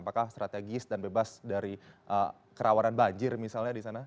apakah strategis dan bebas dari kerawanan banjir misalnya di sana